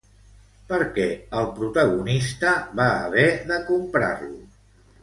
Per què el protagonista va haver de comprar-lo?